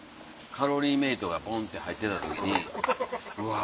カロリーメイトがボンって入ってた時にうわ。